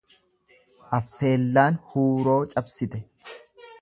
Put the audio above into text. Affeellaan huuroo cabsite.